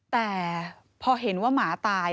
แต่พอเห็นว่าหมาตาย